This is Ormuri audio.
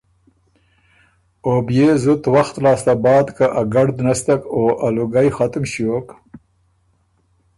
او بيې زُت وخت لاسته بعد که ا ګړد نستک او ا لوګئ ختُم ݭیوک،